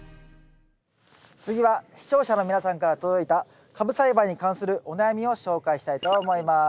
次は視聴者の皆さんから届いたカブ栽培に関するお悩みを紹介したいと思います。